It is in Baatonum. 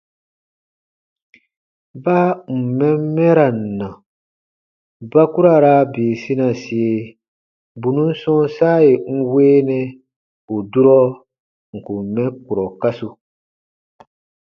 Baa ǹ n mɛn mɛran na, ba ku ra raa bii sinasie bù nùn sɔ̃ɔ saa yè n weenɛ ù durɔ n kùn mɛ kurɔ kasu.